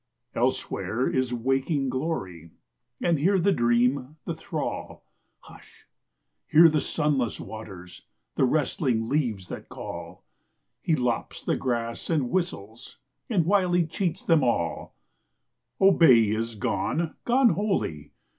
Elsewhere is waking glory, and here the dream, the thrall. Hush! hear the sunless waters, the wrestling leaves that call! He lops the grass, and whistles; and while he cheats them all, Obeys, is gone, gone wholly.